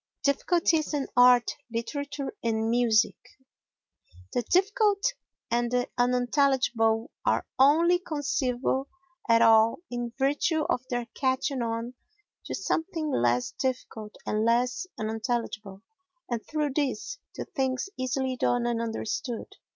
Difficulties in Art, Literature and Music The difficult and the unintelligible are only conceivable at all in virtue of their catching on to something less difficult and less unintelligible and, through this, to things easily done and understood.